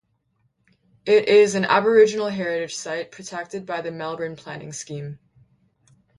It is an Aboriginal heritage site protected by the Melbourne Planning Scheme.